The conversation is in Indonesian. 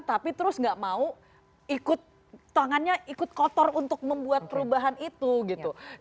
tapi terus gak mau ikut tangannya ikut kotor untuk membuat perubahan itu gitu